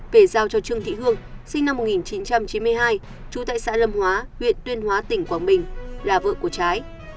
về giao cho trương thị hương sinh năm một nghìn chín trăm chín mươi hai trú tại xã lâm hóa huyện tuyên hóa tỉnh quảng bình là vợ của trái